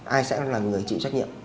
ai sẽ là người chịu trách